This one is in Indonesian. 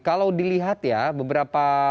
kalau dilihat ya beberapa